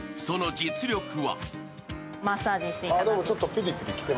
その実力は？